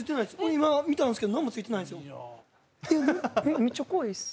今見たんですけど何もついてないですよ。